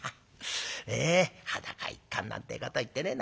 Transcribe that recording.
裸一貫なんてこと言ってるよ。